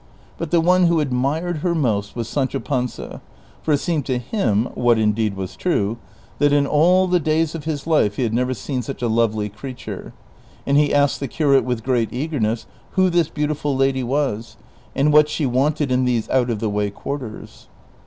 But the one who admired her most was Sancho Panza, for it seemed to him (what indeed was true) that in all the days of his life he had never seen such a lovely creature ; and he asked the curate with great eagerness who this beautiful lady was, and what she wanted in these out of the way quarters.